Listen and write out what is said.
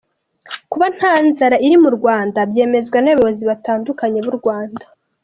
Kuba nta nzara iri mu Rwanda, byemezwa n’abayobozi batandukanye b’u Rwanda.